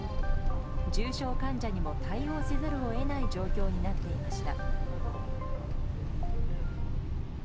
重症患者にも対応せざるを得ない状況になっていました。